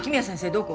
どこ？